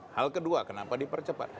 hal kedua kenapa dipercepat